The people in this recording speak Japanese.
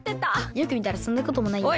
よくみたらそんなこともないや。